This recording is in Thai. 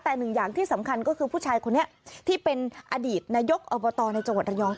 แต่หนึ่งอย่างที่สำคัญก็คือผู้ชายคนนี้ที่เป็นอดีตนายกอบตในจังหวัดระยอง